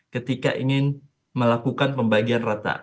ketika ingin melakukan pembagian rata